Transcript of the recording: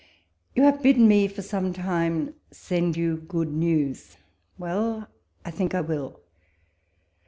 You have bid me for some time send you good news — well ! I think I will.